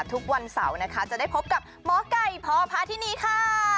ทุกวันเสาร์นะคะจะได้พบกับหมอไก่พอพาที่นี่ค่ะ